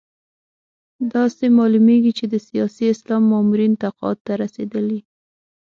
داسې معلومېږي چې د سیاسي اسلام مامورین تقاعد ته رسېدلي.